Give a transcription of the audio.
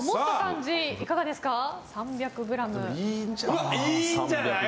・うわっいいんじゃない？